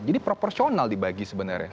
jadi proporsional dibagi sebenarnya